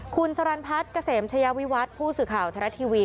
คุณสรรพัฒน์เกษมชายาวิวัตรผู้สื่อข่าวไทยรัฐทีวี